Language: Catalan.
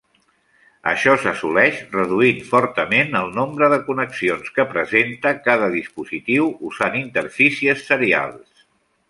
Això s'assoleix reduint fortament el nombre de connexions que presenta cada dispositiu usant interfícies serials.